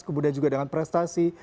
kemudian juga dengan prestasi